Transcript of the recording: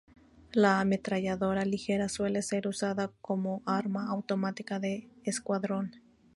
La ametralladora ligera suele ser usada como arma automática de escuadrón.